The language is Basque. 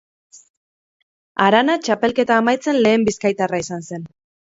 Arana txapelketa amaitzen lehen bizkaitarra izan zen.